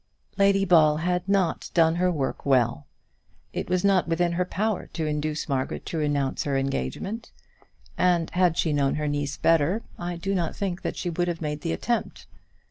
Lady Ball had not done her work well. It was not within her power to induce Margaret to renounce her engagement, and had she known her niece better, I do not think that she would have made the attempt.